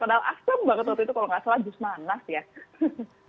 padahal asem banget waktu itu kalau nggak salah jus panas ya